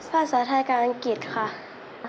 ภาษาไทยการอังกฤษค่ะ